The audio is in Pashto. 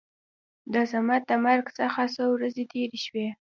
د صمد د مرګ څخه څو ورځې تېرې شوې.